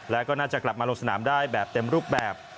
แล้วก็น่าจะกลับมาลงสนามได้แบบเต็มรูปแบบ